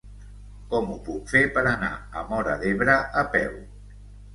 Com ho puc fer per anar a Móra d'Ebre a peu?